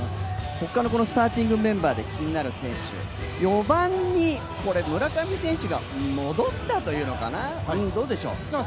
ここからスタメンで気になる選手、４番に村上選手が戻ったというのかな、どうでしょう。